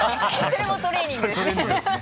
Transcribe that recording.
それトレーニングですね。